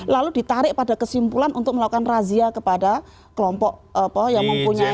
lalu ditarik pada kesimpulan untuk melakukan razia kepada kelompok yang mempunyai